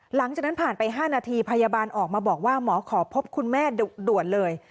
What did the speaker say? หลังจากนั้นผ่านไป๕นาทีพยาบาลออกมาบอกว่าหมอขอพบคุณแม่ด่วนเลย